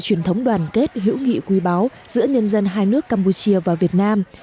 truyền thống đoàn kết hữu nghị quý báu giữa nhân dân hai nước campuchia và việt nam